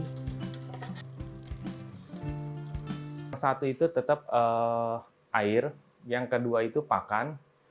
yang pertama itu tetap air yang kedua itu pakan